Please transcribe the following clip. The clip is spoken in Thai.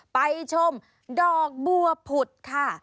ไปชมดอกบัวผุดค่ะ